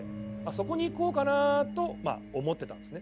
そこに行こうかなとまあ思ってたんですね。